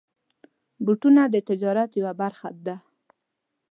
بوټونه د تجارت یوه برخه ده.